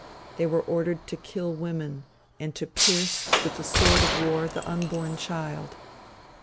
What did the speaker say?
They were ordered to kill women, and to pierce, with the sword of war, the unborn child.